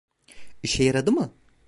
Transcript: İşe yaradı mı?